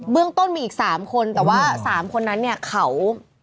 เรื่องต้นมีอีก๓คนแต่ว่า๓คนนั้นเนี่ยเขา